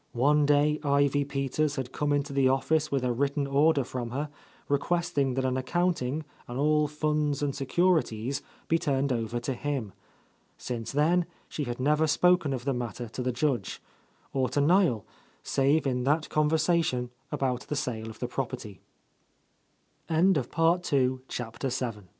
One day Ivy Peters had come into the office with a written order from her, requesting that an accounting, and all funds and securities, be turned over to him. Since then she had never spoken of the matter to the Judge, ■— or to Niel, save in that conversation about the sale of the prope